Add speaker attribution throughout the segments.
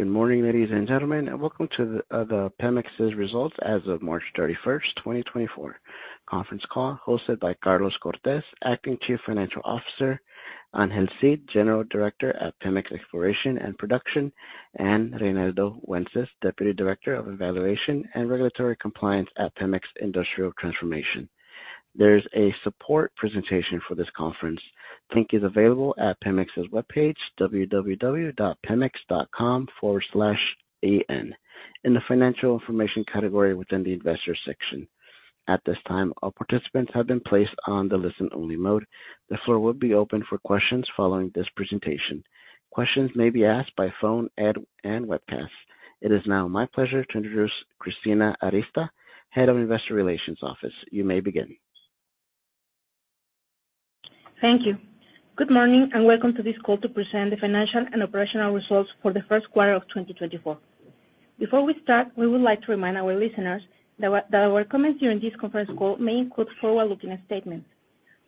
Speaker 1: Good morning, ladies and gentlemen, and welcome to the Pemex's results as of March 31st, 2024. Conference call hosted by Carlos Cortez, Acting Chief Financial Officer, Angel Cid, General Director at Pemex Exploration and Production, and Reinaldo Wences, Deputy Director of Evaluation and Regulatory Compliance at Pemex Industrial Transformation. There's a support presentation for this conference. The link is available at Pemex's webpage, www.pemex.com/en, in the Financial Information category within the Investors section. At this time, all participants have been placed on the listen-only mode. The floor will be open for questions following this presentation. Questions may be asked by phone, and webcast. It is now my pleasure to introduce Cristina Arista, Head of Investor Relations Office. You may begin.
Speaker 2: Thank you. Good morning and welcome to this call to present the financial and operational results for the first quarter of 2024. Before we start, we would like to remind our listeners that that our comments during this conference call may include forward-looking statements.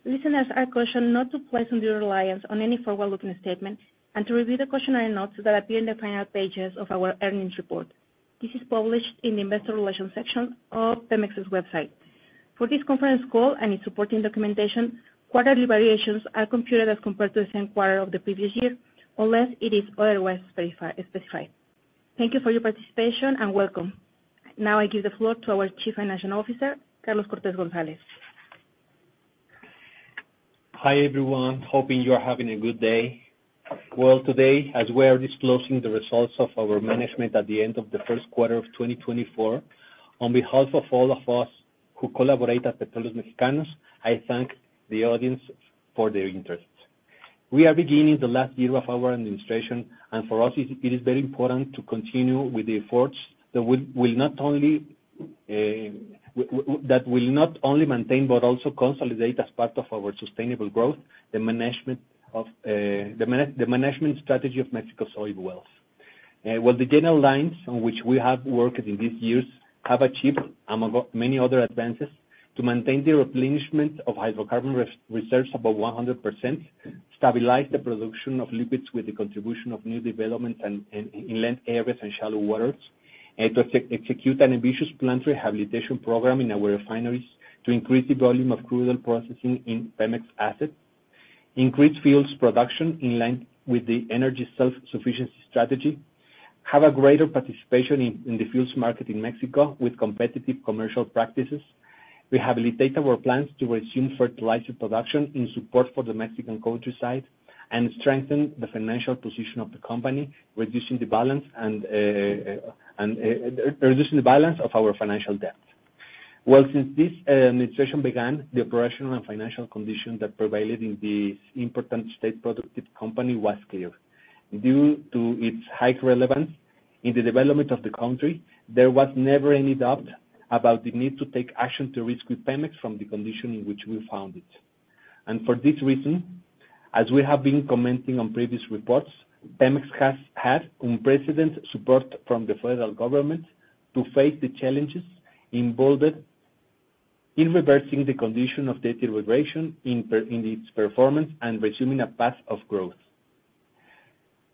Speaker 2: Listeners are cautioned not to place undue reliance on any forward-looking statement and to review the cautionary notes that appear in the final pages of our earnings report. This is published in the Investor Relations section of Pemex's website. For this conference call and its supporting documentation, quarterly variations are computed as compared to the same quarter of the previous year, unless it is otherwise specified. Thank you for your participation and welcome. Now I give the floor to our Chief Financial Officer, Carlos Cortez González.
Speaker 3: Hi, everyone. Hoping you are having a good day. Well, today, as we are disclosing the results of our management at the end of the first quarter of 2024, on behalf of all of us who collaborate at Petróleos Mexicanos, I thank the audience for their interest. We are beginning the last year of our administration, and for us, it is very important to continue with the efforts that will not only maintain but also consolidate as part of our sustainable growth the management strategy of Mexico's oil wealth. Well, the general lines on which we have worked in these years have achieved, among other many other advances, to maintain the replenishment of hydrocarbon reserves above 100%, stabilize the production of liquids with the contribution of new developments and in land areas and shallow waters, to execute an ambitious plant rehabilitation program in our refineries to increase the volume of crude oil processing in Pemex assets, increase fuel's production in line with the energy self-sufficiency strategy, have a greater participation in the fuel's market in Mexico with competitive commercial practices, rehabilitate our plants to resume fertilizer production in support for the Mexican countryside, and strengthen the financial position of the company, reducing the balance of our financial debt. Well, since this administration began, the operational and financial condition that prevailed in this important state-productive company was clear. Due to its high relevance in the development of the country, there was never any doubt about the need to take action to rescue Pemex from the condition in which we found it. For this reason, as we have been commenting on previous reports, Pemex has had unprecedented support from the federal government to face the challenges involved in reversing the condition of deterioration in its performance and resuming a path of growth.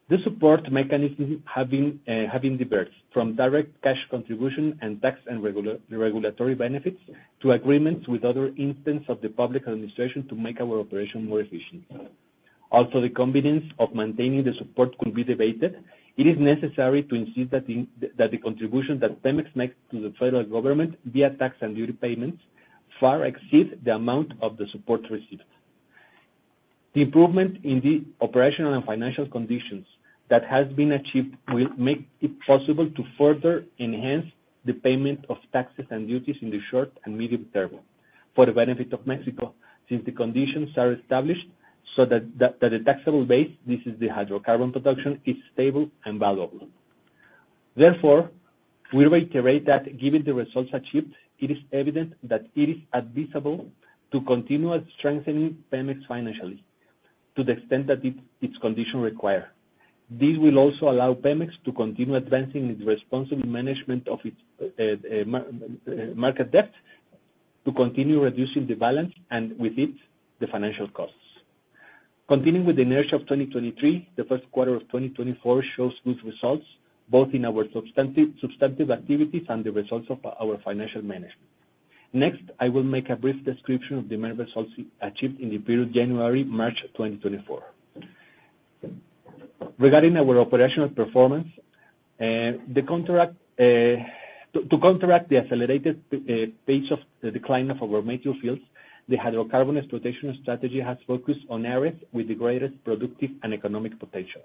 Speaker 3: The support mechanisms have been diverse, from direct cash contribution and tax and regulatory benefits to agreements with other instances of the public administration to make our operation more efficient. Also, the convenience of maintaining the support could be debated. It is necessary to insist that the contribution that Pemex makes to the federal government via tax and duty payments far exceeds the amount of the support received. The improvement in the operational and financial conditions that has been achieved will make it possible to further enhance the payment of taxes and duties in the short and medium term, for the benefit of Mexico, since the conditions are established so that that the taxable base—this is the hydrocarbon production—is stable and valuable. Therefore, we reiterate that, given the results achieved, it is evident that it is advisable to continue strengthening Pemex financially, to the extent that its conditions require. This will also allow Pemex to continue advancing its responsible management of its market debt, to continue reducing the balance, and with it, the financial costs. Continuing with the inertia of 2023, the first quarter of 2024 shows good results, both in our substantive activities and the results of our financial management. Next, I will make a brief description of the main results achieved in the period January-March 2024. Regarding our operational performance, to counteract the accelerated pace of the decline of our mature fields, the hydrocarbon exploitation strategy has focused on areas with the greatest productive and economic potential.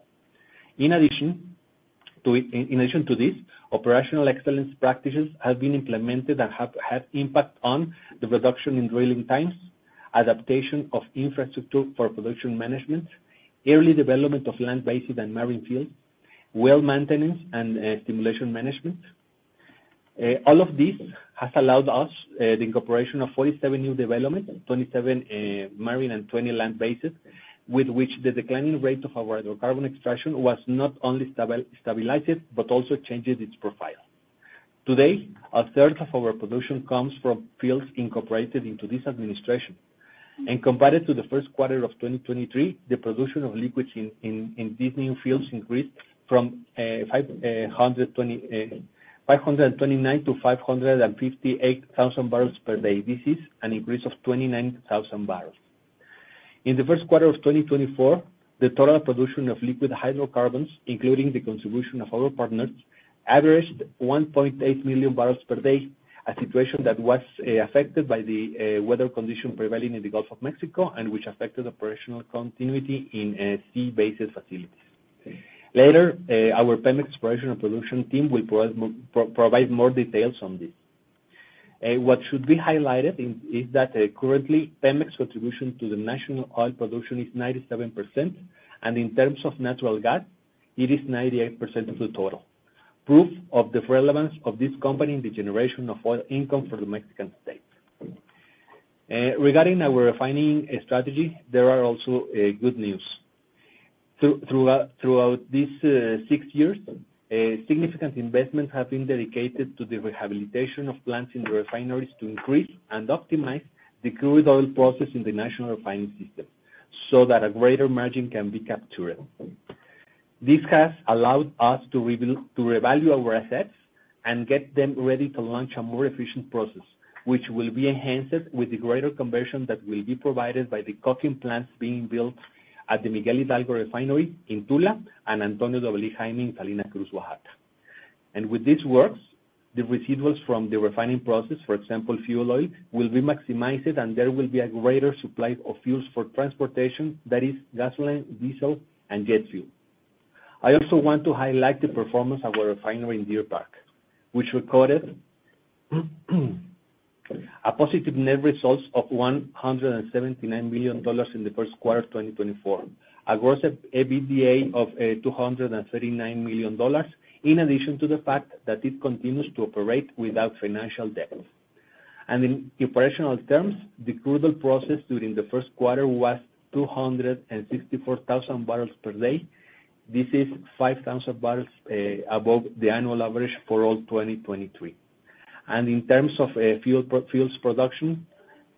Speaker 3: In addition to this, operational excellence practices have been implemented that have impact on the reduction in drilling times, adaptation of infrastructure for production management, early development of land-based and marine fields, well maintenance and stimulation management. All of this has allowed us the incorporation of 47 new developments, 27 marine and 20 land-based, with which the declining rate of our hydrocarbon extraction was not only stabilized but also changed its profile. Today, 1/3 of our production comes from fields incorporated into this administration. Compared to the first quarter of 2023, the production of liquids in these new fields increased from 529,000 to 558,000 barrels per day. This is an increase of 29,000 barrels. In the first quarter of 2024, the total production of liquid hydrocarbons, including the contribution of our partners, averaged 1.8 million barrels per day, a situation that was affected by the weather conditions prevailing in the Gulf of Mexico and which affected operational continuity in sea-based facilities. Later, our Pemex operational production team will provide more details on this. What should be highlighted is that, currently, Pemex's contribution to the national oil production is 97%, and in terms of natural gas, it is 98% of the total. Proof of the relevance of this company in the generation of oil income for the Mexican state. Regarding our refining strategy, there are also good news. Throughout these six years, significant investments have been dedicated to the rehabilitation of plants in the refineries to increase and optimize the crude oil process in the national refining system so that a greater margin can be captured. This has allowed us to revalue our assets and get them ready to launch a more efficient process, which will be enhanced with the greater conversion that will be provided by the coking plants being built at the Miguel Hidalgo Refinery in Tula and Antonio Dovalí Jaime in Salina Cruz, Oaxaca. And with these works, the residuals from the refining process, for example, fuel oil, will be maximized, and there will be a greater supply of fuels for transportation that is gasoline, diesel, and jet fuel. I also want to highlight the performance of our refinery in Deer Park, which recorded a positive net results of $179 million in the first quarter of 2024, a gross EBITDA of $239 million, in addition to the fact that it continues to operate without financial debt. In operational terms, the crude oil processed during the first quarter was 264,000 barrels per day. This is 5,000 barrels above the annual average for all 2023. In terms of fuel products production,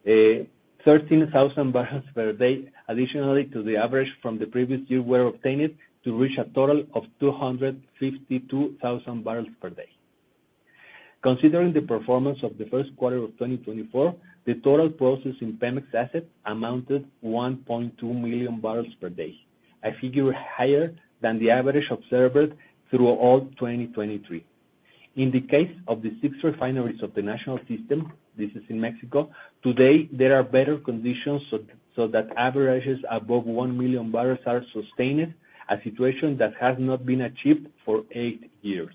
Speaker 3: 13,000 barrels per day additionally to the average from the previous year were obtained to reach a total of 252,000 barrels per day. Considering the performance of the first quarter of 2024, the total processed in Pemex assets amounted to 1.2 million barrels per day, a figure higher than the average observed throughout 2023. In the case of the six refineries of the national system—this is in Mexico—today, there are better conditions so that averages above 1 million barrels are sustained, a situation that has not been achieved for eight years.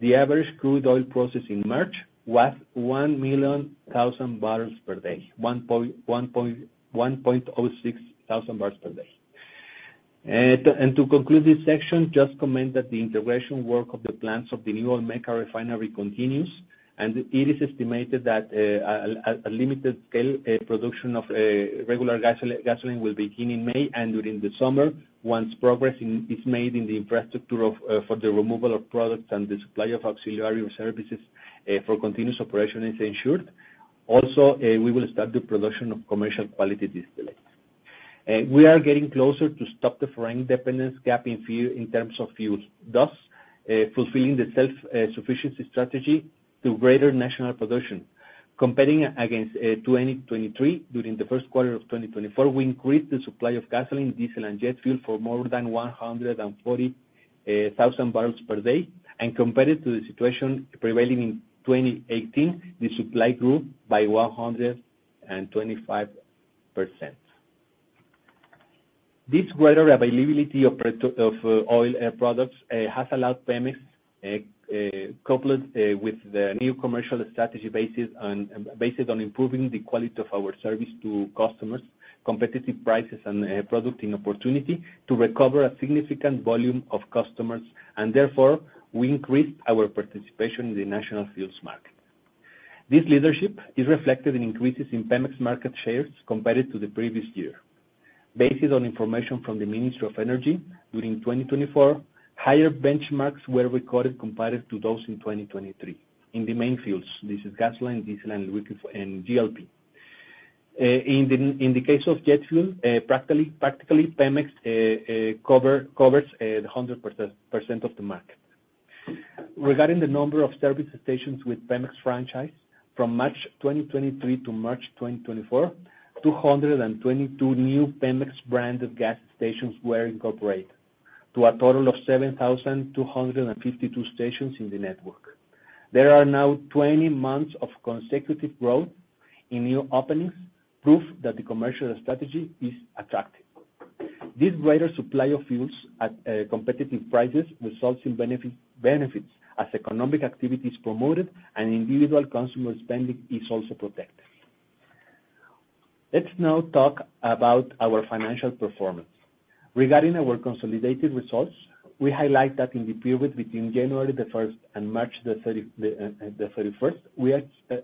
Speaker 3: The average crude oil process in March was 1,000,000 barrels per day, 1,060,000 barrels per day. And to conclude this section, just comment that the integration work of the plants of the new Olmeca Refinery continues, and it is estimated that, at a limited scale, production of regular gasoline will begin in May and during the summer, once progress is made in the infrastructure for the removal of products and the supply of auxiliary services, for continuous operation is ensured. Also, we will start the production of commercial quality distillates. We are getting closer to stop the foreign dependence gap in fuel in terms of fuel, thus fulfilling the self-sufficiency strategy to greater national production. Comparing against 2023, during the first quarter of 2024, we increased the supply of gasoline, diesel, and jet fuel for more than 140,000 barrels per day, and compared to the situation prevailing in 2018, the supply grew by 125%. This greater availability of oil products has allowed Pemex, coupled with the new commercial strategy based on improving the quality of our service to customers, competitive prices, and providing opportunity to recover a significant volume of customers, and therefore, we increased our participation in the national fuels market. This leadership is reflected in increases in Pemex market shares compared to the previous year. Based on information from the Ministry of Energy, during 2024, higher benchmarks were recorded compared to those in 2023 in the main fields—this is gasoline, diesel, and liquid fuel and GLP. In the case of jet fuel, practically, Pemex covers the 100% of the market. Regarding the number of service stations with Pemex franchise, from March 2023 to March 2024, 222 new Pemex-branded gas stations were incorporated, to a total of 7,252 stations in the network. There are now 20 months of consecutive growth in new openings, proof that the commercial strategy is attractive. This greater supply of fuels at competitive prices results in benefits as economic activity is promoted and individual consumer spending is also protected. Let's now talk about our financial performance. Regarding our consolidated results, we highlight that in the period between January 1st and March 31st, we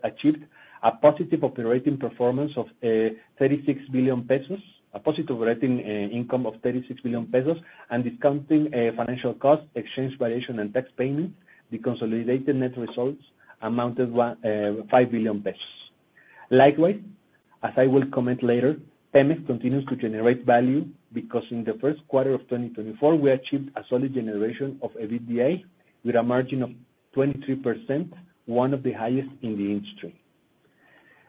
Speaker 3: achieved a positive operating performance of 36 billion pesos, a positive operating income of 36 billion pesos, and discounting financial costs, exchange variation, and tax payments, the consolidated net results amounted to 5 billion pesos. Likewise, as I will comment later, Pemex continues to generate value because in the first quarter of 2024, we achieved a solid generation of EBITDA with a margin of 23%, one of the highest in the industry.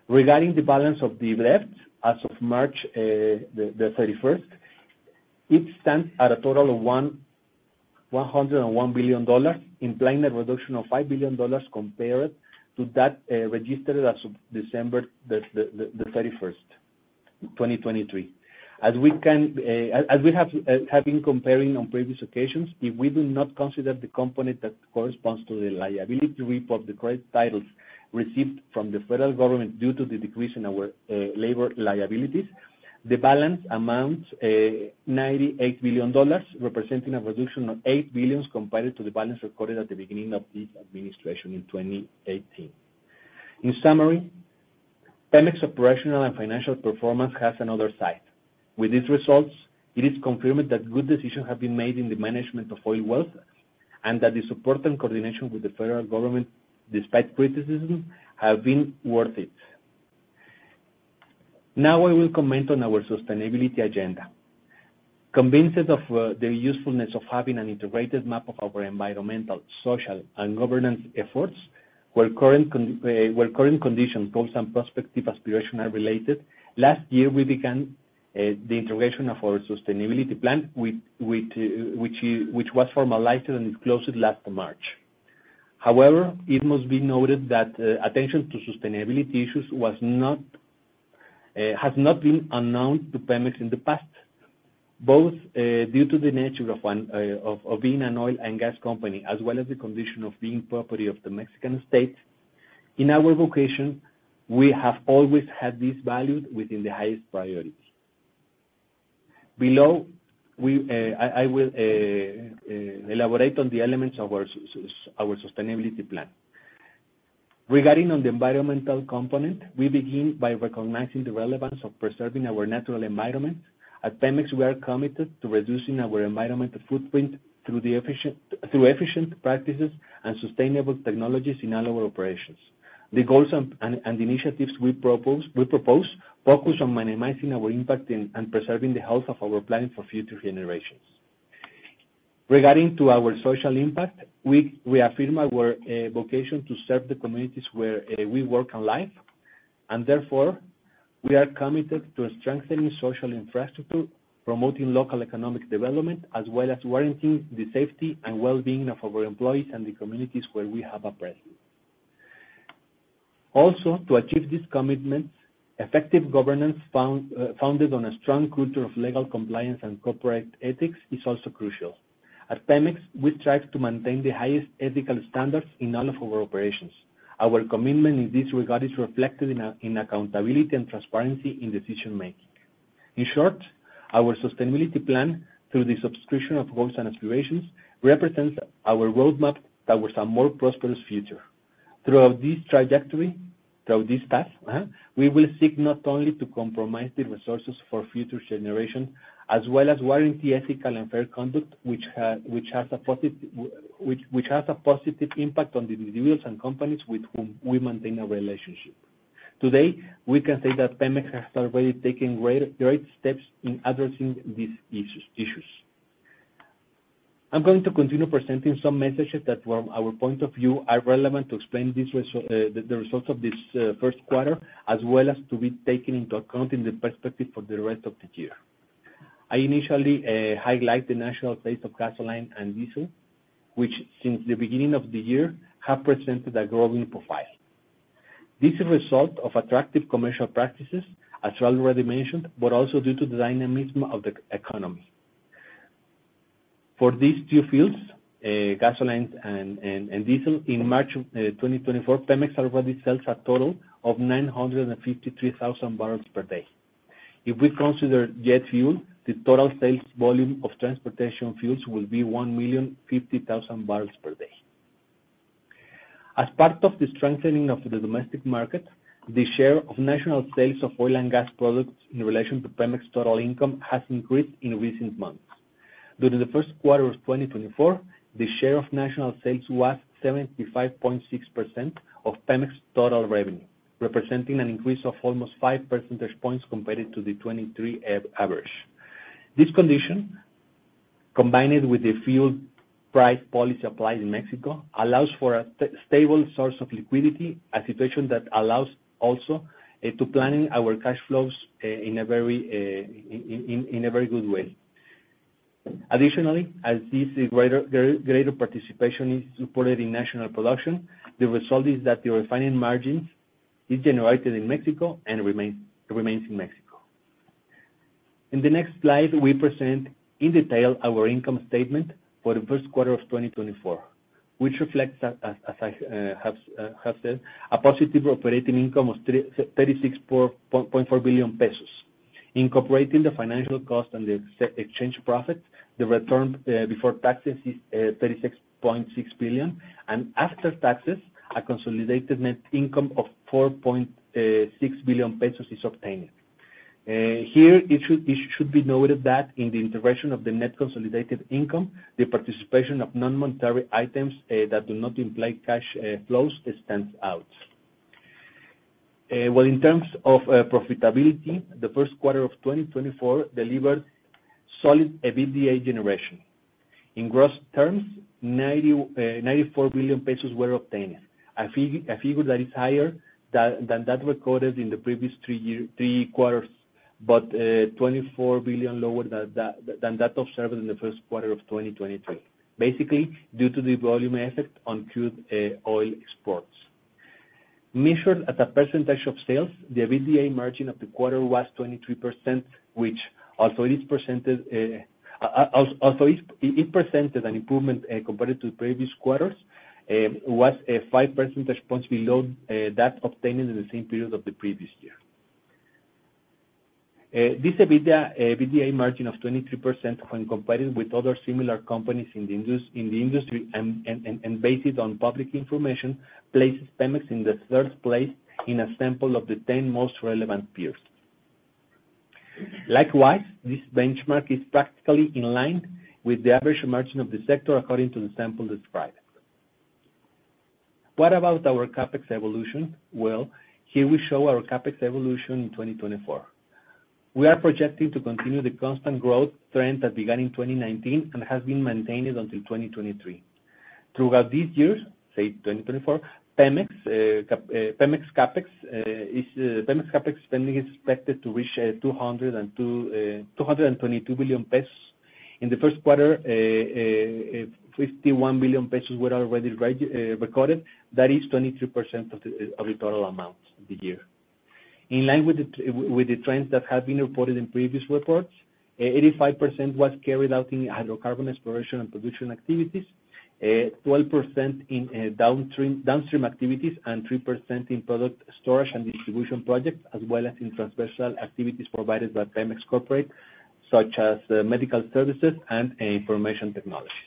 Speaker 3: Regarding the balance sheet as of March 31st, it stands at a total of $101 billion, implying a reduction of $5 billion compared to that registered as of December 31st, 2023. As we have been comparing on previous occasions, if we do not consider the component that corresponds to the liability relief of the credit titles received from the federal government due to the decrease in our labor liabilities, the balance amounts to $98 billion, representing a reduction of $8 billion compared to the balance recorded at the beginning of this administration in 2018. In summary, Pemex's operational and financial performance has another side. With these results, it is confirmed that good decisions have been made in the management of oil wealth and that the support and coordination with the federal government, despite criticism, have been worth it. Now, I will comment on our sustainability agenda. Convinced of the usefulness of having an integrated map of our environmental, social, and governance efforts, where current conditions, goals, and prospective aspirations are related, last year, we began the integration of our sustainability plan which was formalized and disclosed last March. However, it must be noted that attention to sustainability issues has not been unknown to Pemex in the past. Both, due to the nature of being an oil and gas company, as well as the condition of being property of the Mexican state, in our vocation, we have always had this valued within the highest priority. Below, I will elaborate on the elements of our sustainability plan. Regarding the environmental component, we begin by recognizing the relevance of preserving our natural environment. At Pemex, we are committed to reducing our environmental footprint through efficient practices and sustainable technologies in all our operations. The goals and initiatives we propose focus on minimizing our impact in and preserving the health of our planet for future generations. Regarding to our social impact, we affirm our vocation to serve the communities where we work and live, and therefore, we are committed to strengthening social infrastructure, promoting local economic development, as well as warranting the safety and well-being of our employees and the communities where we have a presence. Also, to achieve this commitment, effective governance founded on a strong culture of legal compliance and corporate ethics is also crucial. At Pemex, we strive to maintain the highest ethical standards in all of our operations. Our commitment in this regard is reflected in accountability and transparency in decision-making. In short, our sustainability plan, through the subscription of goals and aspirations, represents our roadmap towards a more prosperous future. Throughout this trajectory throughout this path, we will seek not only to compromise the resources for future generations, as well as warranty ethical and fair conduct, which has a positive impact on the individuals and companies with whom we maintain a relationship. Today, we can say that Pemex has already taken great, great steps in addressing these issues. I'm going to continue presenting some messages that, from our point of view, are relevant to explain the results of this first quarter, as well as to be taken into account in the perspective for the rest of the year. I initially highlight the national sales of gasoline and diesel, which, since the beginning of the year, have presented a growing profile. This is a result of attractive commercial practices, as already mentioned, but also due to the dynamism of the economy. For these two fields, gasoline and diesel, in March 2024, Pemex already sells a total of 953,000 barrels per day. If we consider jet fuel, the total sales volume of transportation fuels will be 1,050,000 barrels per day. As part of the strengthening of the domestic market, the share of national sales of oil and gas products in relation to Pemex total income has increased in recent months. During the first quarter of 2024, the share of national sales was 75.6% of Pemex total revenue, representing an increase of almost 5 percentage points compared to the 2023 average. This condition, combined with the fuel price policy applied in Mexico, allows for a stable source of liquidity, a situation that allows also, to planning our cash flows, in a very good way. Additionally, as this greater participation is supported in national production, the result is that the refining margins is generated in Mexico and remains in Mexico. In the next slide, we present in detail our income statement for the first quarter of 2024, which reflects as I have said, a positive operating income of 36.4 billion pesos. Incorporating the financial cost and the exchange profits, the return, before taxes is, 36.6 billion, and after taxes, a consolidated net income of 4.6 billion pesos is obtained. Here, it should be noted that in the integration of the net consolidated income, the participation of non-monetary items that do not imply cash flows stands out. Well, in terms of profitability, the first quarter of 2024 delivered solid EBITDA generation. In gross terms, 94 billion pesos were obtained, a figure that is higher than that recorded in the previous three quarters, but 24 billion lower than that observed in the first quarter of 2023, basically due to the volume effect on crude oil exports. Measured as a percentage of sales, the EBITDA margin of the quarter was 23%, which also presented an improvement compared to the previous quarters, was 5 percentage points below that obtained in the same period of the previous year. This EBITDA margin of 23%, when compared with other similar companies in the industry and based on public information, places Pemex in the third place in a sample of the 10 most relevant peers. Likewise, this benchmark is practically in line with the average margin of the sector according to the sample described. What about our CapEx evolution? Well, here we show our CapEx evolution in 2024. We are projecting to continue the constant growth trend that began in 2019 and has been maintained until 2023. Throughout these years, 2024, Pemex CapEx spending is expected to reach 222 billion pesos. In the first quarter, 51 billion pesos were already recorded. That is 23% of the total amount of the year. In line with the trends that have been reported in previous reports, 85% was carried out in hydrocarbon exploration and production activities, 12% in downstream activities, and 3% in product storage and distribution projects, as well as in transversal activities provided by Pemex Corporate, such as medical services and information technologies.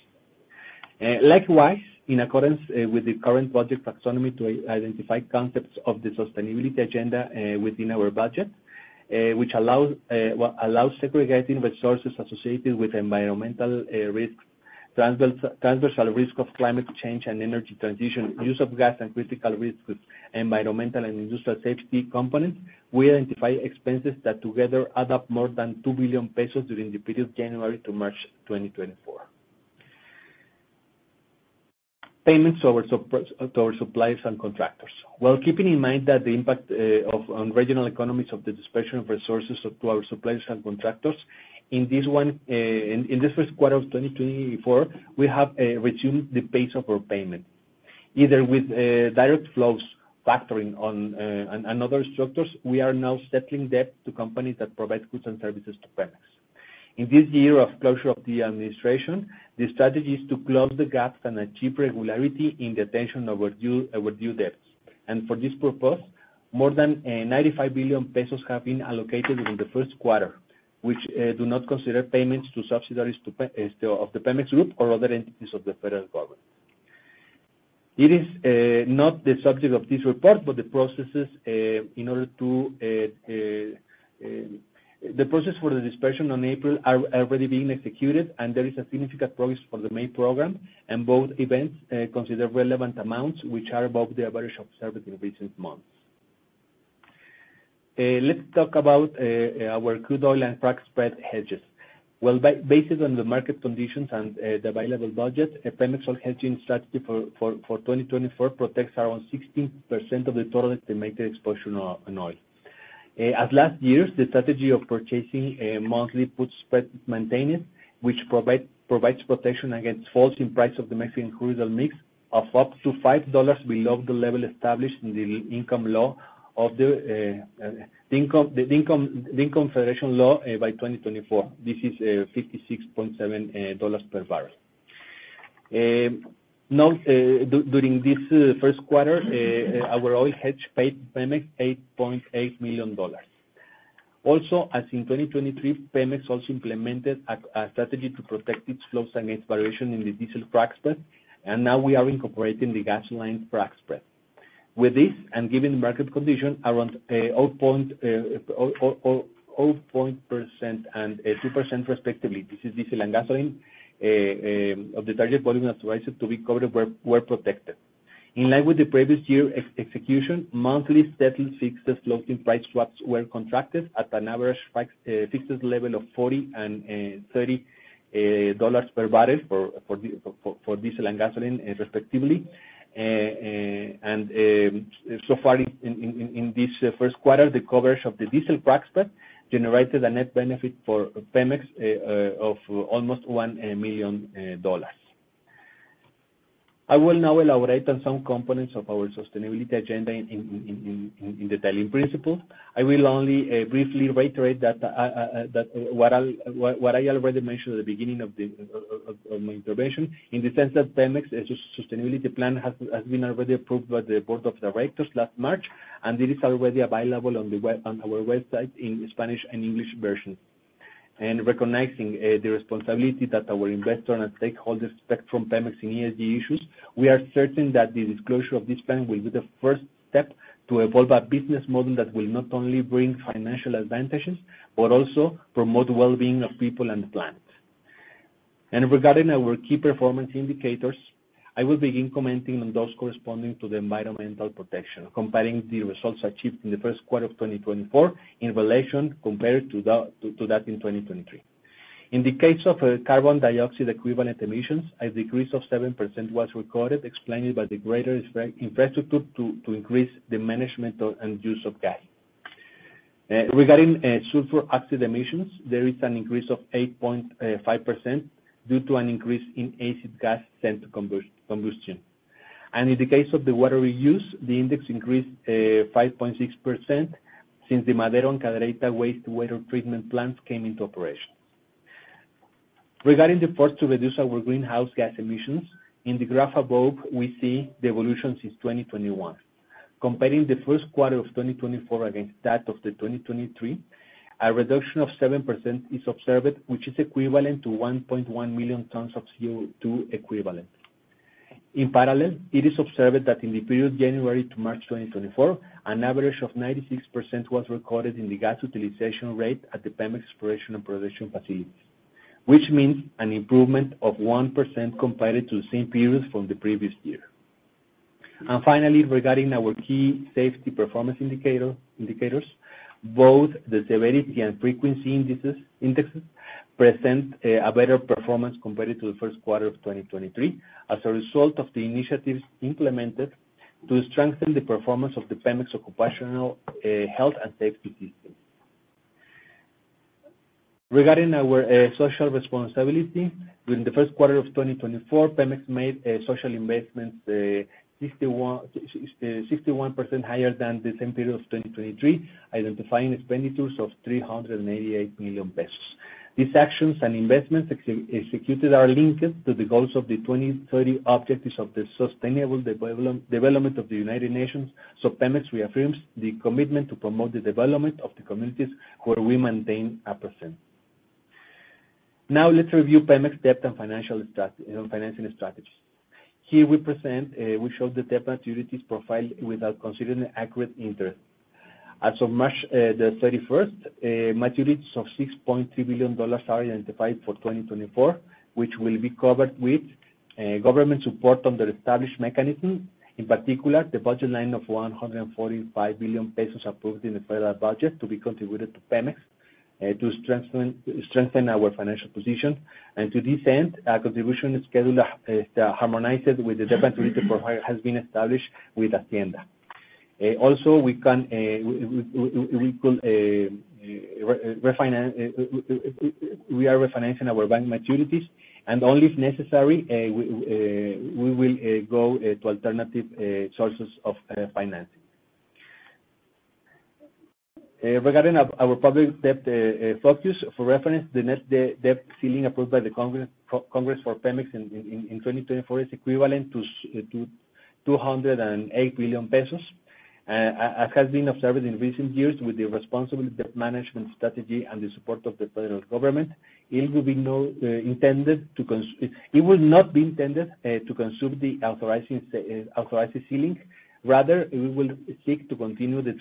Speaker 3: Likewise, in accordance with the current project taxonomy to identify concepts of the sustainability agenda, within our budget, which allows, well, segregating resources associated with environmental risks, transversal risk of climate change and energy transition, use of gas and critical risks, environmental and industrial safety components, we identify expenses that together add up more than 2 billion pesos during the period January to March 2024. Payments to our suppliers and contractors. Well, keeping in mind that the impact on regional economies of the dispersion of resources to our suppliers and contractors, in this first quarter of 2024, we have resumed the pace of our payment. Either with direct flows, factoring on, and other structures, we are now settling debt to companies that provide goods and services to Pemex. In this year of closure of the administration, the strategy is to close the gaps and achieve regularity in the attention of our due debts. And for this purpose, more than 95 billion pesos have been allocated during the first quarter, which do not consider payments to subsidiaries of the Pemex group or other entities of the federal government. It is not the subject of this report, but the process for the dispersion on April is already being executed, and there is significant progress for the May program, and both events consider relevant amounts, which are above the average observed in recent months. Let's talk about our crude oil and frac spread hedges. Well, based on the market conditions and the available budget, a Pemex oil hedging strategy for 2024 protects around 16% of the total estimated exposure in oil. As last years, the strategy of purchasing monthly put spread is maintained, which provides protection against falls in price of the Mexican crude oil mix of up to $5 below the level established in the income law, of the income federation law, by 2024. This is $56.7 per barrel. Now, during this first quarter, our oil hedge paid Pemex $8.8 million. Also, as in 2023, Pemex also implemented a strategy to protect its flows against variation in the diesel frac spread, and now we are incorporating the gasoline frac spread. With this and given the market condition around 0.00% and 2% respectively, this is diesel and gasoline, of the target volume authorized to be covered were protected. In line with the previous year execution, monthly settled fixed flows in price swaps were contracted at an average frac fixed level of $40 and $30 per barrel for diesel and gasoline, respectively. So far in this first quarter, the coverage of the diesel frac spread generated a net benefit for Pemex of almost $1 million. I will now elaborate on some components of our sustainability agenda in detail. In principle, I will only briefly reiterate that what I already mentioned at the beginning of my intervention, in the sense that Pemex's sustainability plan has been already approved by the board of directors last March, and it is already available on our website in Spanish and English versions. And recognizing the responsibility that our investor and stakeholders expect from Pemex in ESG issues, we are certain that the disclosure of this plan will be the first step to evolve a business model that will not only bring financial advantages, but also promote well-being of people and the planet. Regarding our key performance indicators, I will begin commenting on those corresponding to the environmental protection, comparing the results achieved in the first quarter of 2024 in relation, compared to that in 2023. In the case of carbon dioxide equivalent emissions, a decrease of 7% was recorded, explained by the greater infrastructure to increase the management and use of gas. Regarding sulfur oxide emissions, there is an increase of 8.5% due to an increase in acid gas sent to combustion. In the case of the water reuse, the index increased 5.6% since the Madero and Cadereyta wastewater treatment plants came into operation. Regarding the efforts to reduce our greenhouse gas emissions, in the graph above, we see the evolution since 2021. Comparing the first quarter of 2024 against that of 2023, a reduction of 7% is observed, which is equivalent to 1.1 million tons of CO2 equivalent. In parallel, it is observed that in the period January to March 2024, an average of 96% was recorded in the gas utilization rate at the Pemex Exploration and Production facilities, which means an improvement of 1% compared to the same period from the previous year. And finally, regarding our key safety performance indicators, both the severity and frequency indices present a better performance compared to the first quarter of 2023 as a result of the initiatives implemented to strengthen the performance of the Pemex occupational health and safety systems. Regarding our social responsibility, during the first quarter of 2024, Pemex made social investments 61% higher than the same period of 2023, identifying expenditures of 388 million pesos. These actions and investments executed are linked to the goals of the 2030 objectives of the sustainable development of the United Nations, so Pemex reaffirms the commitment to promote the development of the communities where we maintain a presence. Now, let's review Pemex debt and financial strategy and financing strategies. Here, we present the debt maturities profile without considering accrued interest. As of March 31st, maturities of $6.3 billion are identified for 2024, which will be covered with government support under established mechanisms, in particular, the budget line of 145 billion pesos approved in the federal budget to be contributed to Pemex, to strengthen our financial position. And to this end, a contribution schedule is harmonized with the debt maturity profile has been established with Hacienda. Also, we could refinance; we are refinancing our bank maturities, and only if necessary, we will go to alternative sources of financing. Regarding our public debt, for reference, the net debt ceiling approved by the Congress for Pemex in 2024 is equivalent to 208 billion pesos. As has been observed in recent years with the responsible debt management strategy and the support of the federal government, it will not be intended to consume the authorizing ceiling. Rather, we will seek to continue the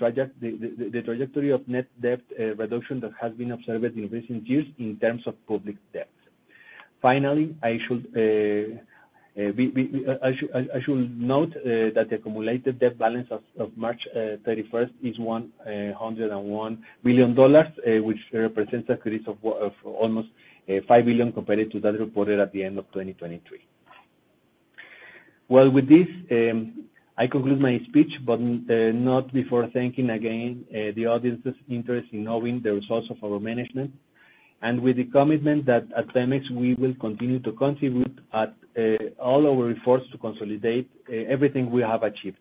Speaker 3: trajectory of net debt reduction that has been observed in recent years in terms of public debt. Finally, I should note that the accumulated debt balance as of March 31st is $101 billion, which represents an increase of almost $5 billion compared to that reported at the end of 2023. Well, with this, I conclude my speech, but not before thanking again the audience's interest in knowing the results of our management and with the commitment that at Pemex, we will continue to contribute all our efforts to consolidate everything we have achieved.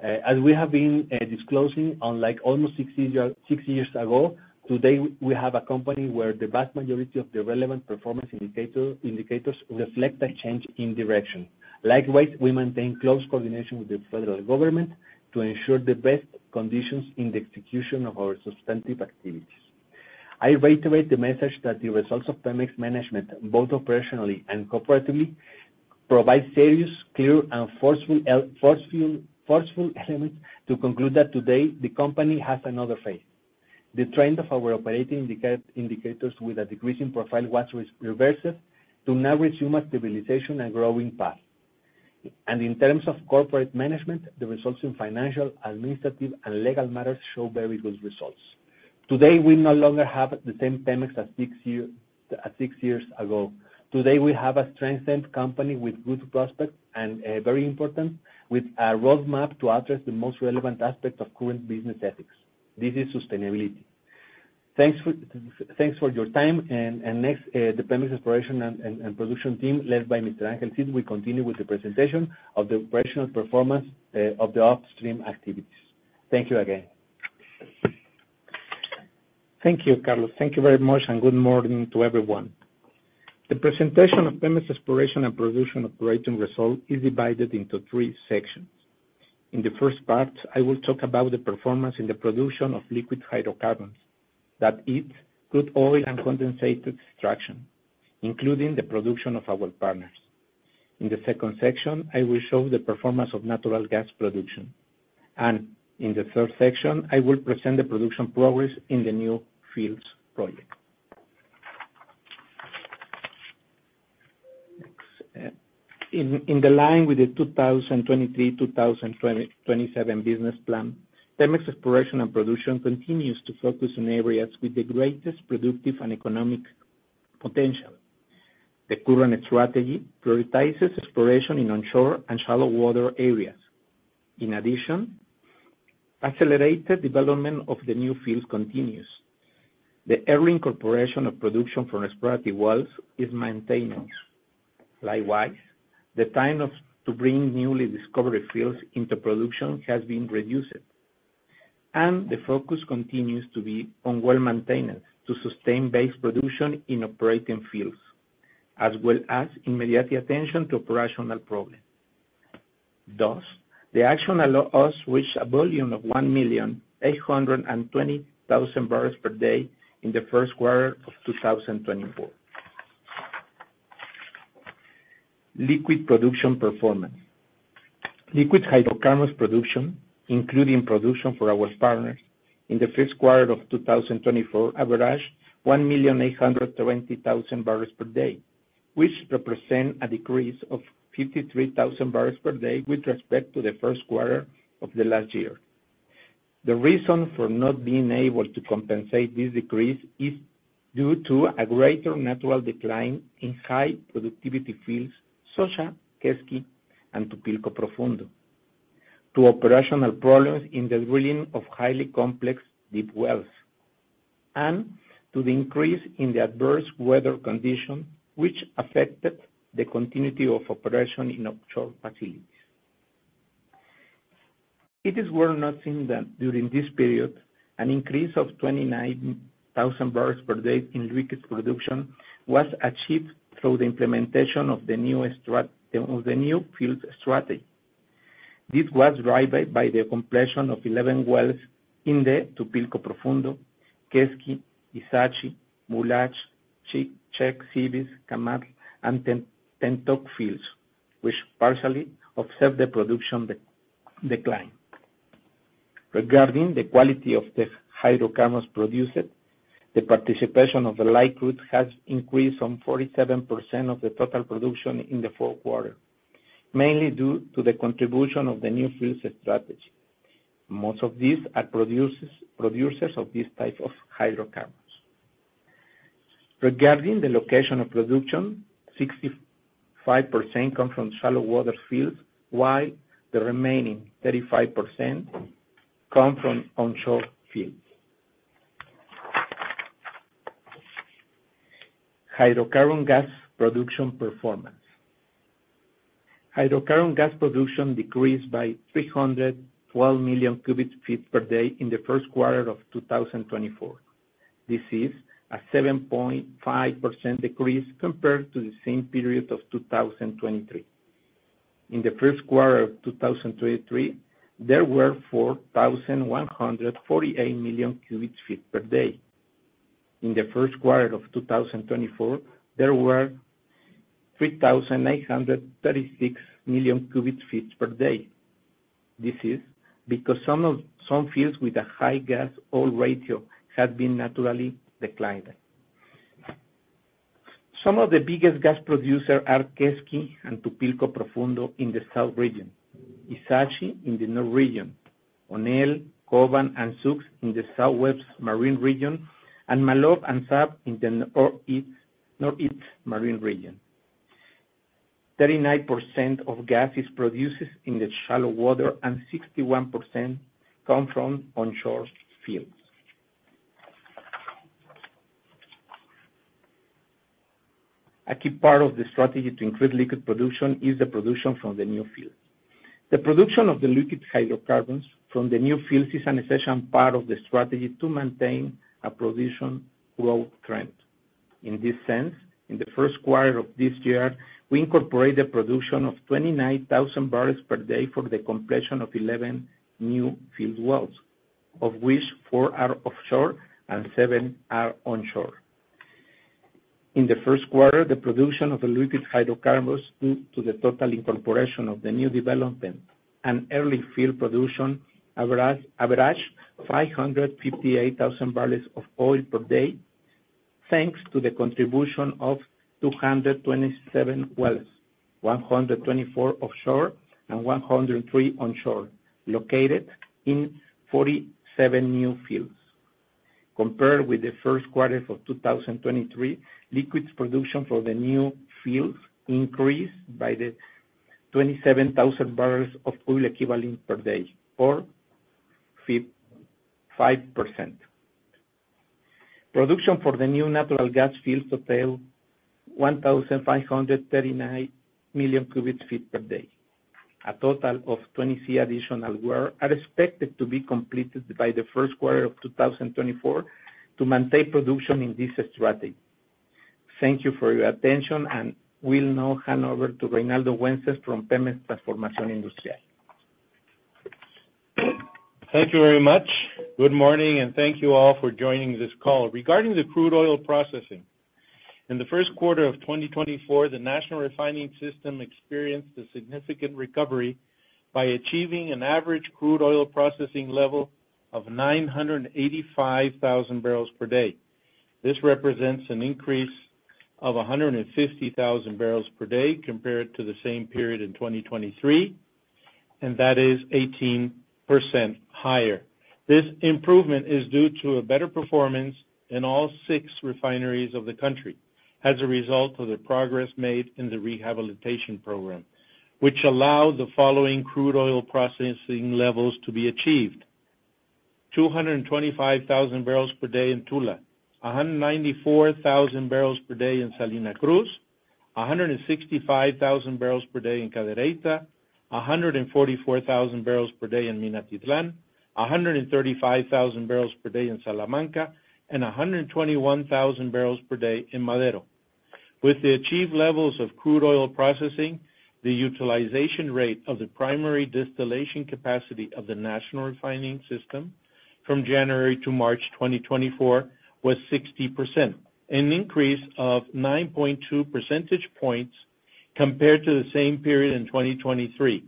Speaker 3: As we have been disclosing, unlike almost six years ago, today we have a company where the vast majority of the relevant performance indicators reflect a change in direction. Likewise, we maintain close coordination with the federal government to ensure the best conditions in the execution of our substantive activities. I reiterate the message that the results of Pemex management, both operationally and corporatively, provide serious, clear, and forceful elements to conclude that today, the company has another phase. The trend of our operating indicators with a decreasing profile was reversed to now resume a stabilization and growing path. In terms of corporate management, the results in financial, administrative, and legal matters show very good results. Today, we no longer have the same Pemex as six years ago. Today, we have a strengthened company with good prospects and, very important, with a roadmap to address the most relevant aspect of current business ethics. This is sustainability. Thanks for your time. And next, the Pemex Exploration and Production team led by Mr. Angel Cid, we continue with the presentation of the operational performance of the upstream activities. Thank you again.
Speaker 4: Thank you, Carlos. Thank you very much, and good morning to everyone. The presentation of Pemex Exploration and Production operating result is divided into three sections. In the first part, I will talk about the performance in the production of liquid hydrocarbons that is crude oil and condensate extraction, including the production of our partners. In the second section, I will show the performance of natural gas production. In the third section, I will present the production progress in the new fields project. In line with the 2023-2027 business plan, Pemex Exploration and Production continues to focus on areas with the greatest productive and economic potential. The current strategy prioritizes exploration in onshore and shallow water areas. In addition, accelerated development of the new fields continues. The early incorporation of production from explorative wells is maintained. Likewise, the time to bring newly discovered fields into production has been reduced. The focus continues to be on well maintenance to sustain base production in operating fields, as well as immediate attention to operational problems. Thus, the action allowed us to reach a volume of 1,820,000 barrels per day in the first quarter of 2024. Liquid production performance. Liquid hydrocarbons production, including production for our partners, in the first quarter of 2024, averaged 1,820,000 barrels per day, which represents a decrease of 53,000 barrels per day with respect to the first quarter of the last year. The reason for not being able to compensate this decrease is due to a greater natural decline in high productivity fields, Quesqui, and Tupilco Profundo, to operational problems in the drilling of highly complex deep wells, and to the increase in the adverse weather conditions, which affected the continuity of operation in offshore facilities. It is worth noting that during this period, an increase of 29,000 barrels per day in liquid production was achieved through the implementation of the newest, of the new fields strategy. This was driven by the completion of 11 wells in the Tupilco Profundo, Quesqui, Ixachi, Mulach, Cheek, Cibix, Camatl, and Tentok fields, which partially observed the production decline. Regarding the quality of the hydrocarbons produced, the participation of the light crude has increased to 47% of the total production in the fourth quarter, mainly due to the contribution of the new fields strategy. Most of these are producers of this type of hydrocarbons. Regarding the location of production, 65% come from shallow water fields, while the remaining 35% come from onshore fields. Hydrocarbon gas production performance. Hydrocarbon gas production decreased by 312 million cubic feet per day in the first quarter of 2024. This is a 7.5% decrease compared to the same period of 2023. In the first quarter of 2023, there were 4,148 million cubic feet per day. In the first quarter of 2024, there were 3,836 million cubic feet per day. This is because some fields with a high gas oil ratio had been naturally declined. Some of the biggest gas producers are Quesqui and Tupilco Profundo in the south region, Ixachi in the north region, Onel, Koban, and Xux in the southwest marine region, and Maloob and Zaap in the northeast marine region. 39% of gas is produced in the shallow water, and 61% come from onshore fields. A key part of the strategy to increase liquid production is the production from the new fields. The production of the liquid hydrocarbons from the new fields is an essential part of the strategy to maintain a production growth trend. In this sense, in the first quarter of this year, we incorporated production of 29,000 barrels per day for the completion of 11 new field wells, of which four are offshore and seven are onshore. In the first quarter, the production of the liquid hydrocarbons due to the total incorporation of the new development and early field production averaged 558,000 barrels of oil per day, thanks to the contribution of 227 wells, 124 offshore and 103 onshore, located in 47 new fields. Compared with the first quarter of 2023, liquid production for the new fields increased by 27,000 barrels of oil equivalent per day, or 5%. Production for the new natural gas fields totaled 1,539 million cubic feet per day. A total of 20 additional were expected to be completed by the first quarter of 2024 to maintain production in this strategy. Thank you for your attention, and we'll now hand over to Reinaldo Wences from Pemex Transformación Industrial.
Speaker 5: Thank you very much. Good morning, and thank you all for joining this call. Regarding the crude oil processing, in the first quarter of 2024, the national refining system experienced a significant recovery by achieving an average crude oil processing level of 985,000 barrels per day. This represents an increase of 150,000 barrels per day compared to the same period in 2023, and that is 18% higher. This improvement is due to a better performance in all six refineries of the country as a result of the progress made in the rehabilitation program, which allowed the following crude oil processing levels to be achieved: 225,000 barrels per day in Tula, 194,000 barrels per day in Salina Cruz, 165,000 barrels per day in Cadereyta, 144,000 barrels per day in Minatitlán, 135,000 barrels per day in Salamanca, and 121,000 barrels per day in Madero. With the achieved levels of crude oil processing, the utilization rate of the primary distillation capacity of the national refining system from January to March 2024 was 60%, an increase of 9.2 percentage points compared to the same period in 2023.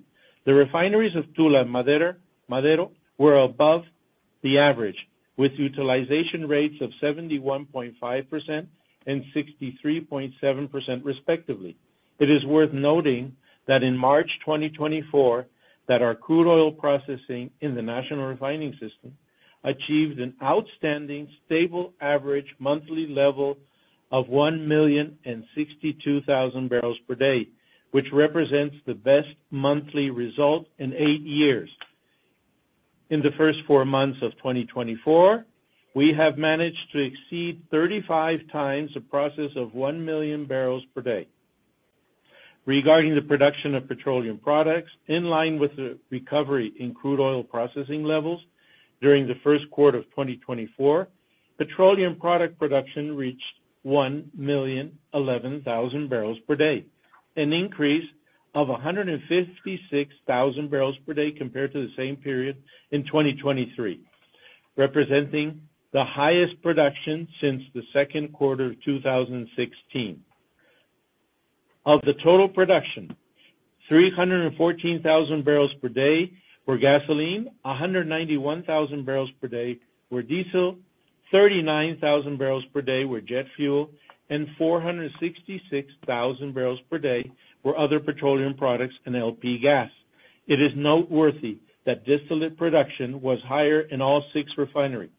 Speaker 5: The refineries of Tula and Madero were above the average, with utilization rates of 71.5% and 63.7% respectively. It is worth noting that in March 2024, our crude oil processing in the national refining system achieved an outstanding stable average monthly level of 1,062,000 barrels per day, which represents the best monthly result in eight years. In the first four months of 2024, we have managed to exceed 35 times the process of 1 million barrels per day. Regarding the production of petroleum products, in line with the recovery in crude oil processing levels during the first quarter of 2024, petroleum product production reached 1,011,000 barrels per day, an increase of 156,000 barrels per day compared to the same period in 2023, representing the highest production since the second quarter of 2016. Of the total production, 314,000 barrels per day were gasoline, 191,000 barrels per day were diesel, 39,000 barrels per day were jet fuel, and 466,000 barrels per day were other petroleum products and LP gas. It is noteworthy that distillate production was higher in all six refineries.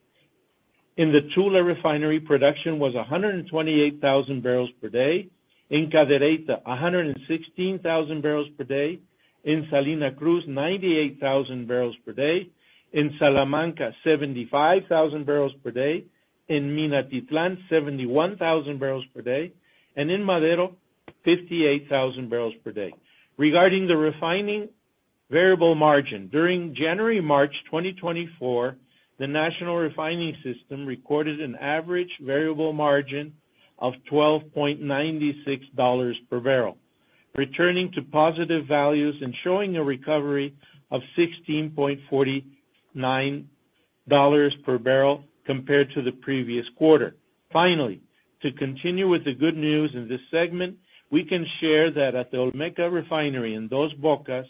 Speaker 5: In the Tula Refinery, production was 128,000 barrels per day, in Cadereyta, 116,000 barrels per day, in Salina Cruz, 98,000 barrels per day, in Salamanca, 75,000 barrels per day, in Minatitlán, 71,000 barrels per day, and in Madero, 58,000 barrels per day. Regarding the refining variable margin, during January and March 2024, the national refining system recorded an average variable margin of $12.96 per barrel, returning to positive values and showing a recovery of $16.49 per barrel compared to the previous quarter. Finally, to continue with the good news in this segment, we can share that at the Olmeca Refinery in Dos Bocas,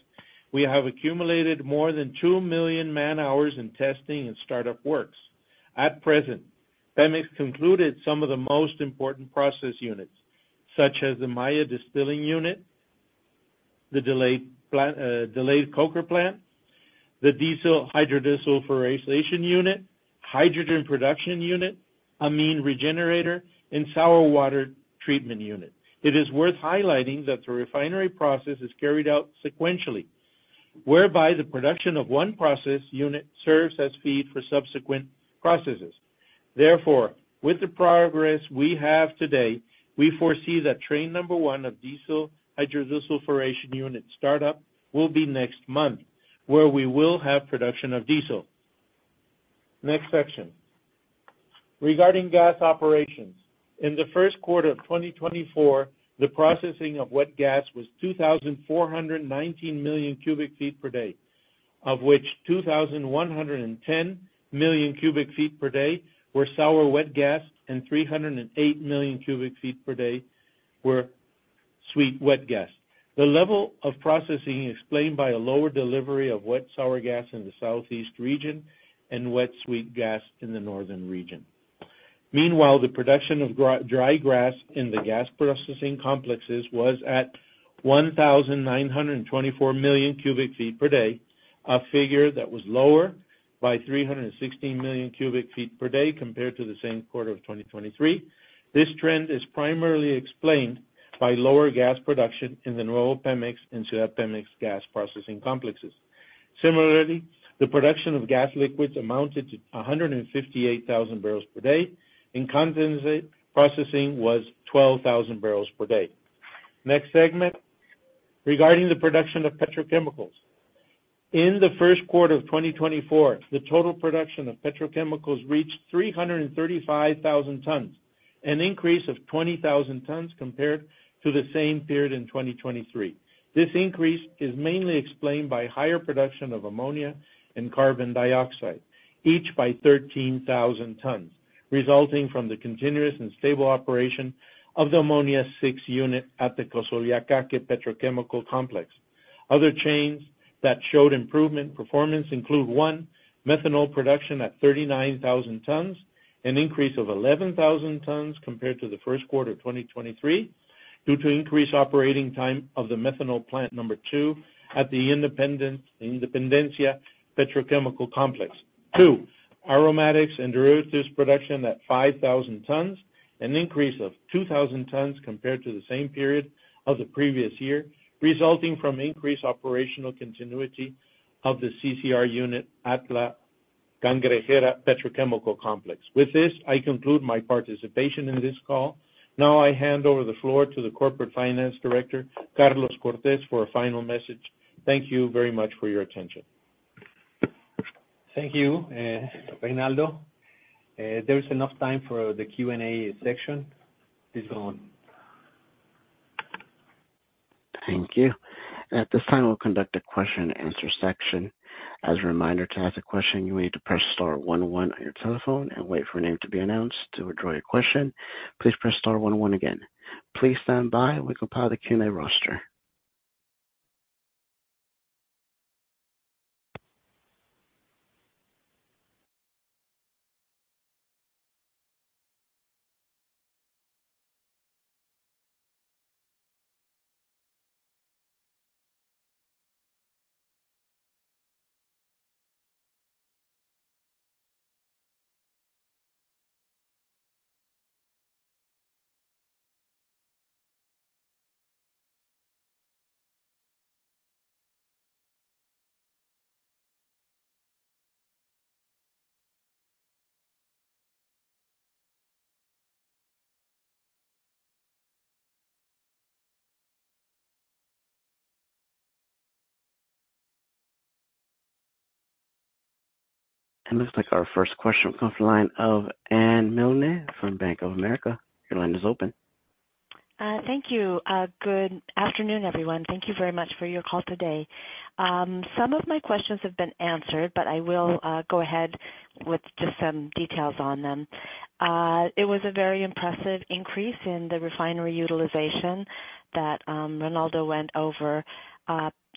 Speaker 5: we have accumulated more than 2 million man-hours in testing and startup works. At present, Pemex concluded some of the most important process units, such as the Maya distilling unit, the delayed coker plant, the diesel hydrodesulfurization unit, hydrogen production unit, amine regenerator, and sour water treatment unit. It is worth highlighting that the refinery process is carried out sequentially, whereby the production of one process unit serves as feed for subsequent processes. Therefore, with the progress we have today, we foresee that train number one of diesel hydrodesulfurization unit startup will be next month, where we will have production of diesel. Next section. Regarding gas operations, in the first quarter of 2024, the processing of wet gas was 2,419 million cubic feet per day, of which 2,110 million cubic feet per day were sour wet gas and 308 million cubic feet per day were sweet wet gas. The level of processing explained by a lower delivery of wet sour gas in the southeast region and wet sweet gas in the northern region. Meanwhile, the production of dry gas in the gas processing complexes was at 1,924 million cubic feet per day, a figure that was lower by 316 million cubic feet per day compared to the same quarter of 2023. This trend is primarily explained by lower gas production in the Nuevo Pemex and Ciudad Pemex gas processing complexes. Similarly, the production of gas liquids amounted to 158,000 barrels per day, and condensate processing was 12,000 barrels per day. Next segment. Regarding the production of petrochemicals. In the first quarter of 2024, the total production of petrochemicals reached 335,000 tons, an increase of 20,000 tons compared to the same period in 2023. This increase is mainly explained by higher production of ammonia and carbon dioxide, each by 13,000 tons, resulting from the continuous and stable operation of the Ammonia VI unit at the Cosoleacaque petrochemical complex. Other chains that showed improvement performance include: one, methanol production at 39,000 tons, an increase of 11,000 tons compared to the first quarter of 2023 due to increased operating time of the methanol plant; number two, at the Independencia Petrochemical Complex; two, aromatics and derivatives production at 5,000 tons, an increase of 2,000 tons compared to the same period of the previous year, resulting from increased operational continuity of the CCR unit at the Cangrejera Petrochemical Complex. With this, I conclude my participation in this call. Now I hand over the floor to the corporate finance director, Carlos Cortez, for a final message. Thank you very much for your attention.
Speaker 3: Thank you, Reinaldo. There is enough time for the Q&A section. Please go on.
Speaker 1: Thank you. At this time, we'll conduct a question-and-answer section. As a reminder, to ask a question, you need to press star one one on your telephone and wait for a name to be announced. To withdraw your question, please press star one one again. Please stand by, and we'll compile the Q&A roster. It looks like our first question will come from the line of Anne Milne from Bank of America. Your line is open.
Speaker 6: Thank you. Good afternoon, everyone. Thank you very much for your call today. Some of my questions have been answered, but I will go ahead with just some details on them. It was a very impressive increase in the refinery utilization that Reinaldo went over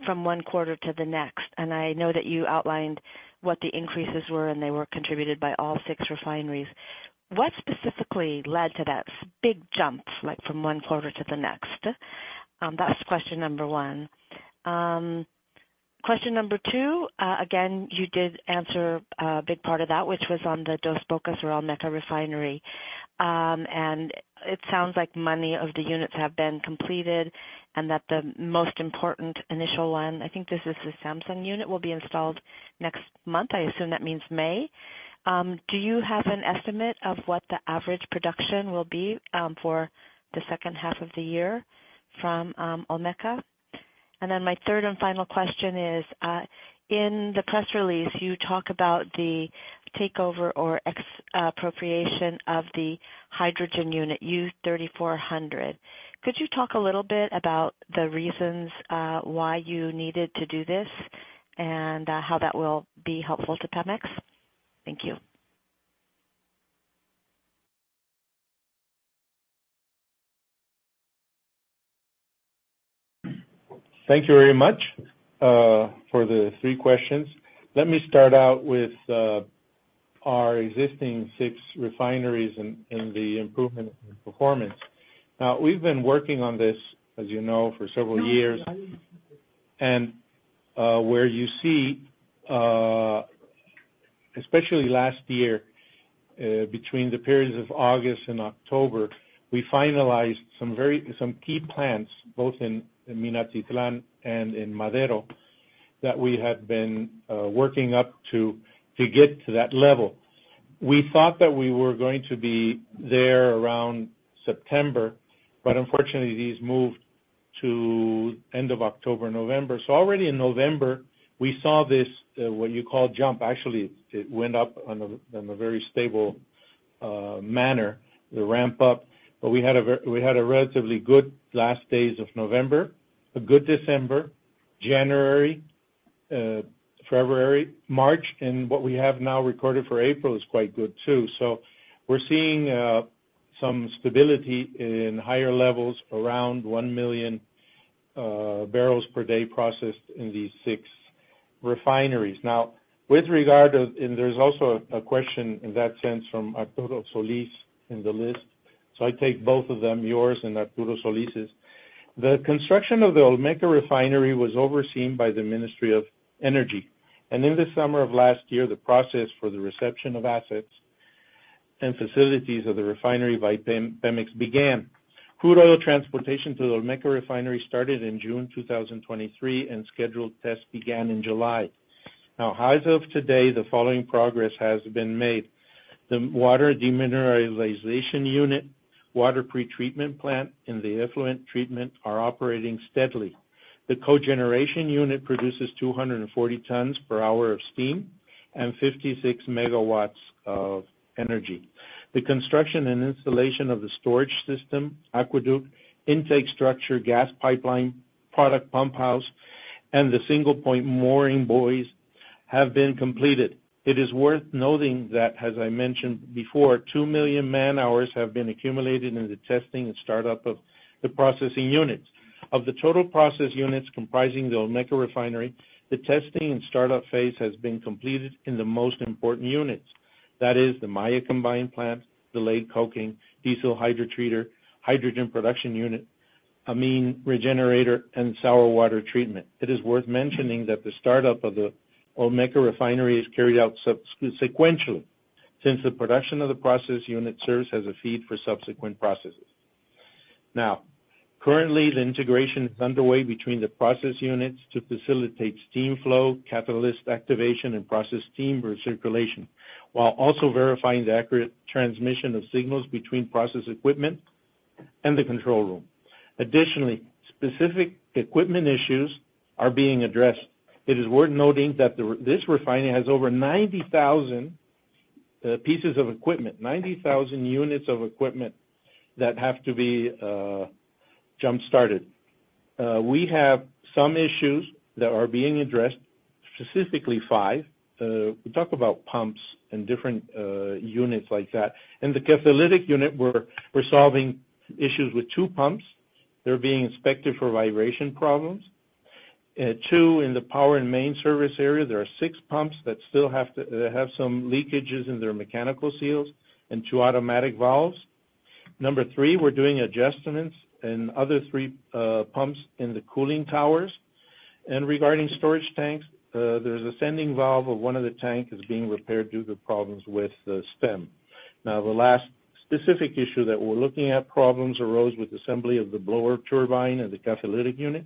Speaker 6: from one quarter to the next. I know that you outlined what the increases were, and they were contributed by all six refineries. What specifically led to that big jump from one quarter to the next? That's question number one. Question number two, again, you did answer a big part of that, which was on the Dos Bocas or Olmeca refinery. It sounds like many of the units have been completed and that the most important initial one - I think this is the Samsung unit - will be installed next month. I assume that means May. Do you have an estimate of what the average production will be for the second half of the year from Olmeca? And then my third and final question is, in the press release, you talk about the takeover or expropriation of the hydrogen unit, U-3400. Could you talk a little bit about the reasons why you needed to do this and how that will be helpful to Pemex? Thank you.
Speaker 5: Thank you very much for the three questions. Let me start out with our existing six refineries and the improvement in performance. Now, we've been working on this, as you know, for several years, and where you see, especially last year, between the periods of August and October, we finalized some key plants, both in Minatitlán and in Madero, that we had been working up to get to that level. We thought that we were going to be there around September, but unfortunately, these moved to the end of October, November. So already in November, we saw this, what you call, jump. Actually, it went up in a very stable manner, the ramp-up. But we had a relatively good last days of November, a good December, January, February, March, and what we have now recorded for April is quite good too. So we're seeing some stability in higher levels around 1 million barrels per day processed in these six refineries. Now, with regard to, and there's also a question in that sense from Arturo Solís in the list, so I take both of them, yours and Arturo Solís's. The construction of the Olmeca refinery was overseen by the Ministry of Energy. In the summer of last year, the process for the reception of assets and facilities of the refinery by Pemex began. Crude oil transportation to the Olmeca refinery started in June 2023, and scheduled tests began in July. Now, as of today, the following progress has been made. The water demineralization unit, water pretreatment plant, and the effluent treatment are operating steadily. The cogeneration unit produces 240 tons per hour of steam and 56 MW of energy. The construction and installation of the storage system, aqueduct, intake structure, gas pipeline, product pump house, and the single-point mooring buoys have been completed. It is worth noting that, as I mentioned before, 2 million man-hours have been accumulated in the testing and startup of the processing units. Of the total process units comprising the Olmeca Refinery, the testing and startup phase has been completed in the most important units. That is, the Maya Combined Plant, delayed coking, diesel hydrotreater, hydrogen production unit, amine regenerator, and sour water treatment. It is worth mentioning that the startup of the Olmeca Refinery is carried out sequentially since the production of the process unit serves as a feed for subsequent processes. Now, currently, the integration is underway between the process units to facilitate steam flow, catalyst activation, and process steam recirculation, while also verifying the accurate transmission of signals between process equipment and the control room. Additionally, specific equipment issues are being addressed. It is worth noting that this refinery has over 90,000 pieces of equipment, 90,000 units of equipment that have to be jump-started. We have some issues that are being addressed, specifically five. We talk about pumps and different units like that. In the catalytic unit, we're solving issues with two pumps. They're being inspected for vibration problems. Two, in the power and main service area, there are six pumps that still have some leakages in their mechanical seals and two automatic valves. Number three, we're doing adjustments in other three pumps in the cooling towers. Regarding storage tanks, there's a sending valve of one of the tanks that's being repaired due to problems with the stem. Now, the last specific issue that we're looking at, problems arose with assembly of the blower turbine and the catalytic unit,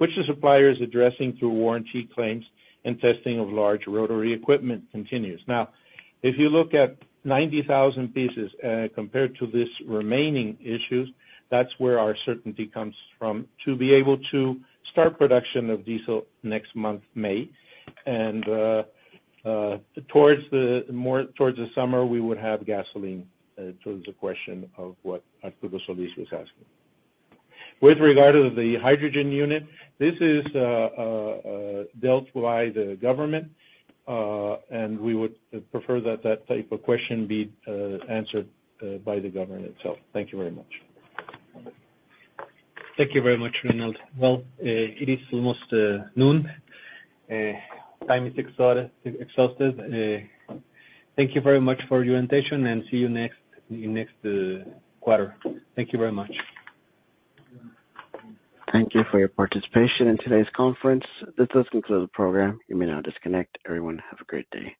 Speaker 5: which the supplier is addressing through warranty claims and testing of large rotary equipment continues. Now, if you look at 90,000 pieces compared to these remaining issues, that's where our certainty comes from, to be able to start production of diesel next month, May. Towards the summer, we would have gasoline, which was a question of what Arturo Solís was asking. With regard to the hydrogen unit, this is dealt by the government, and we would prefer that that type of question be answered by the government itself. Thank you very much.
Speaker 3: Thank you very much, Reinaldo. Well, it is almost noon. Time is exhausted. Thank you very much for your invitation, and see you next quarter. Thank you very much.
Speaker 1: Thank you for your participation in today's conference. This does conclude the program. You may now disconnect. Everyone, have a great day.